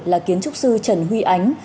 là kiến trúc sư trần huy ánh